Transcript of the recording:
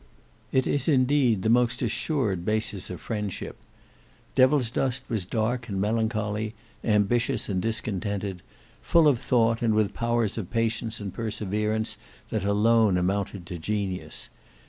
It is indeed the most assured basis of friendship. Devilsdust was dark and melancholy; ambitious and discontented; full of thought, and with powers of patience and perseverance that alone amounted to genius.